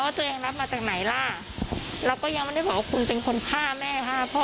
ตัวเองรับมาจากไหนล่ะเราก็ยังไม่ได้บอกว่าคุณเป็นคนฆ่าแม่ฆ่าพ่อ